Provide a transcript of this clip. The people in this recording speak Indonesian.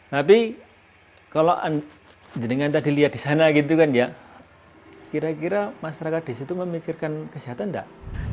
tapi kalau dengan tadi lihat di sana gitu kan ya kira kira masyarakat di situ memikirkan kesehatan enggak